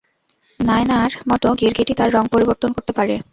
নায়নার মতো গিরগিটি তার রং পরিবর্তন করতে পারে।